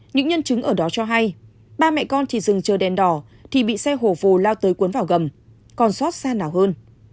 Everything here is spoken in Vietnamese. những nhân chứng ở đó cho hay ba mẹ con chỉ dừng chờ đèn đỏ thì bị xe hổ vù lao tới cuốn vào gầm còn xót xa nào hơn